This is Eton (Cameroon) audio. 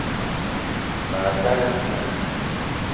Ma tala mina